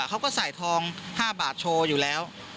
เขาก็ใส่ทอง๕บาทโชว์อยู่แล้ว